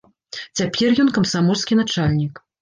Цяпер ён камсамольскі начальнік.